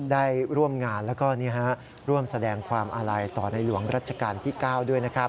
ได้ร่วมงานแล้วก็ร่วมแสดงความอาลัยต่อในหลวงรัชกาลที่๙ด้วยนะครับ